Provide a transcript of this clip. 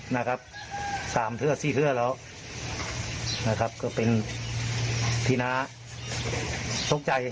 นะครับสามเทือดสี่เทือดแล้วนะครับก็เป็นที